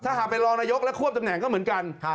ถ้าหากเป็นรองนายกและควบตำแหน่งก็เหมือนกัน